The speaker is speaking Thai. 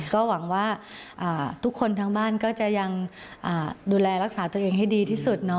ก็หวังว่าทุกคนทั้งบ้านก็จะยังดูแลรักษาตัวเองให้ดีที่สุด